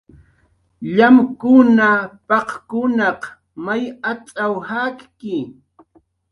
"Llamkuna, paq""kunaq may atz'aw jakki"